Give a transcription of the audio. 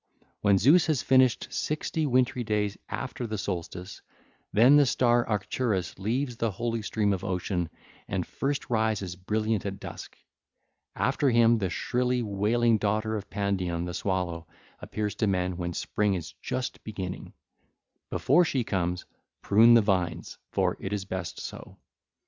564 570) When Zeus has finished sixty wintry days after the solstice, then the star Arcturus 1325 leaves the holy stream of Ocean and first rises brilliant at dusk. After him the shrilly wailing daughter of Pandion, the swallow, appears to men when spring is just beginning. Before she comes, prune the vines, for it is best so. (ll.